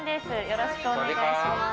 よろしくお願いします。